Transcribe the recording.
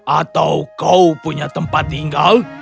atau kau punya tempat tinggal